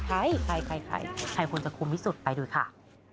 ใครควรจะคุมที่สุดไปด้วยค่ะ